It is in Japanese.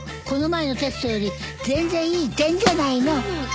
この前のテストより全然いい点じゃないの。